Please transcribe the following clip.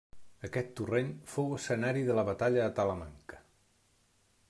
Aquest torrent fou escenari de la Batalla de Talamanca.